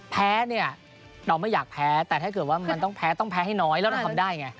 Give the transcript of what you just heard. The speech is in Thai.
แพ้เนี่ยเราไม่อยากแพ้แต่ถ้าเกิดว่ามันต้องแพ้ต้องแพ้ให้น้อยแล้วเราทำได้ไง